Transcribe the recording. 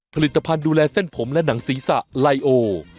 ผลิตภัณฑ์ดูแลเส้นผมและหนังศีรษะไลโอ